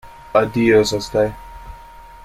Adijo za zdaj!